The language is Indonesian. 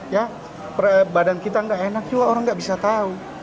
ya badan kita nggak enak juga orang nggak bisa tahu